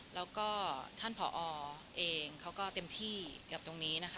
แล้วก็ท่านผอเองเขาก็เต็มที่กับตรงนี้นะคะ